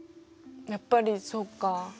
やっぱりそっか。